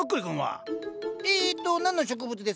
えっと何の植物ですかね？